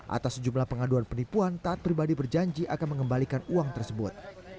atas sejumlah pengaduan penipuan taat pribadi berjanji akan mengembalikan uang tersebut